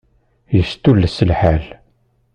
Yestulles lḥal.